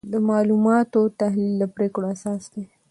د معلوماتو تحلیل د پریکړو اساس دی.